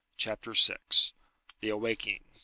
CHAPTER VI. THE AWAKING.